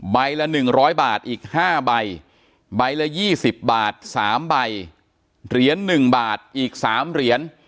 ใบละ๑๐๐บาทอีก๕ใบใบละ๒๐บาท๓ใบเหรียญ๑บาทอีก๓เหรียญ